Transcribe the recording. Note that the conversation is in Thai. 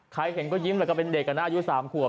ใครเห็นก็ยิ้มแล้วก็เป็นเด็กนะอายุ๓ขวบ